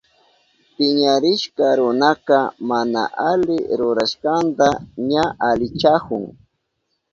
Piñarishka runaka mana ali rurashkanta ña alichahun.